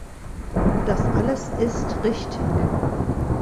Das alles ist richtig.